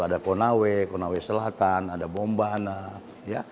ada konawe konawe selatan ada bombana ya